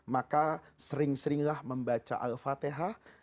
maka sering seringlah membaca al fatihah